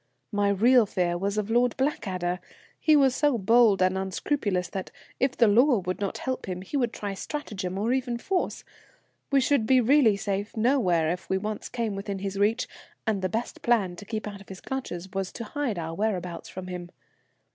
My real fear was of Lord Blackadder. He was so bold and unscrupulous that, if the law would not help him, he would try stratagem, or even force. We should be really safe nowhere if we once came within his reach, and, the best plan to keep out of his clutches was to hide our whereabouts from him.